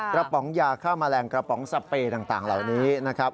ป๋องยาฆ่าแมลงกระป๋องสเปย์ต่างเหล่านี้นะครับ